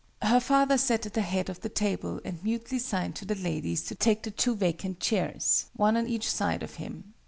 Her father sat at the head of the table, and mutely signed to the ladies to take the two vacant chairs, one on each side of him.